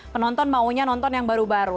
penonton maunya nonton yang baru baru